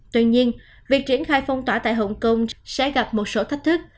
tuy nhiên việc triển khai phong tỏa tại hồng kông sẽ gặp một số thách thức